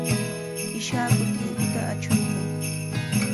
Ishaku triquta achuykan.